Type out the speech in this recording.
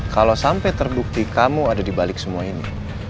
kalau sampai terbukti kamu ada dibalik semua ini